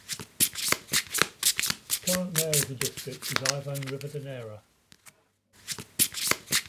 The current mayor of the district is Ivan Rivadeneyra.